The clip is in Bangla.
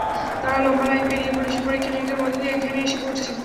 তাঁরা লম্বা লাইন পেরিয়ে, পুলিশের পরীক্ষা-নিরীক্ষার মধ্য দিয়ে এখানে এসে পৌঁছেছেন।